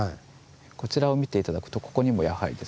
こちらを見て頂くとここにもやはりですね